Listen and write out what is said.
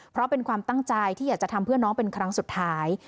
เพราะเป็นความตั้งใจที่อยากจะทำเพื่อน้องเป็นครั้งสุดท้าย